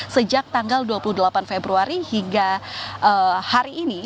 sejak tanggal dua puluh delapan februari hingga hari ini